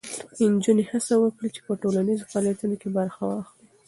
نجونې هڅه وکړي چې په ټولنیزو فعالیتونو کې برخه واخلي.